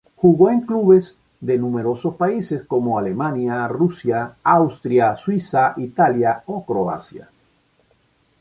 Jugó en clubes de numerosos países, como Alemania, Rusia, Austria, Suiza, Italia o Croacia.